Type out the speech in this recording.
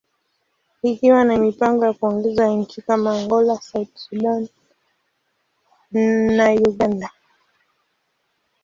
ikiwa na mipango ya kuongeza nchi kama Angola, South Sudan, and Uganda.